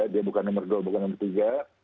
dia bukan nomor dua bukan nomor tiga